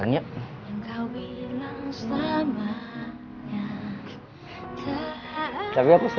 aja tau gak sih